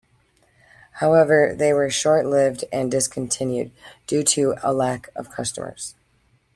However, they were short-lived, and discontinued, due to a lack of customers.